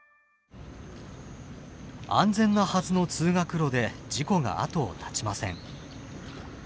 安全なはずの「通学路」で事故が後を絶ちません。